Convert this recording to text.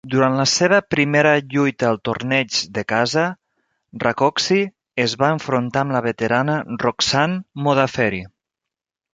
Durant la seva primera lluita al torneig de casa, Rakoczy es va enfrontar amb la veterana Roxanne Modafferi.